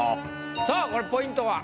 さあこれポイントは？